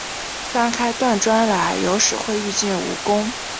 翻开断砖来，有时会遇见蜈蚣